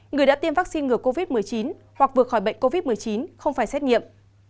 người đã tiêm vaccine ngừa covid một mươi chín hoặc vừa khỏi bệnh covid một mươi chín không phải xét nghiệm